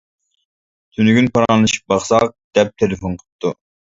تۈنۈگۈن پاراڭلىشىپ باقساق دەپ تېلېفون قىپتۇ.